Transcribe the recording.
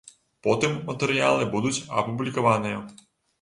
Потым матэрыялы будуць апублікаваныя.